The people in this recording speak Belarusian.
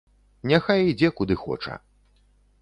Няхай ідзе, куды хоча.